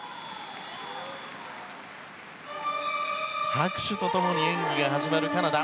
拍手と共に演技が始まるカナダ。